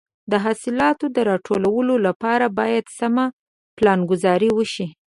د حاصلاتو د راټولولو لپاره باید سمه پلانګذاري وشي.